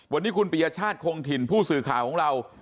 วันนี้คุณปริยชาติคงถิ่นผู้สื่อข่าวของเรา